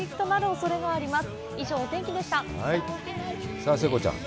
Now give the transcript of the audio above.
さあ、聖子ちゃん。